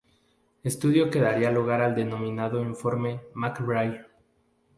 Estudio que daría lugar al denominado Informe MacBride.